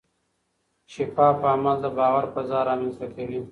شفاف عمل د باور فضا رامنځته کوي.